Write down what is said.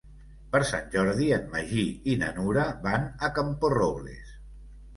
Per Sant Jordi en Magí i na Nura van a Camporrobles.